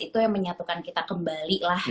itu yang menyatukan kita kembali lah